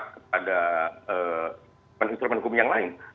bukan melekap kepada penelitian pendukung yang lain